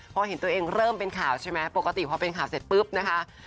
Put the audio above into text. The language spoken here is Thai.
พอเห็นตัวเองเริ่มเป็นข่าวใช่ไหมปกติพอเป็นข่าวเสร็จปุ๊บนะคะ